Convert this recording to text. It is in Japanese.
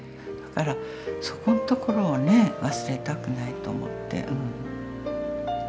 だからそこんところをね忘れたくないと思ってうん。